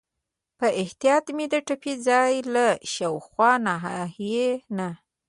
په احتیاط مې د ټپي ځای له شاوخوا ناحیې نه.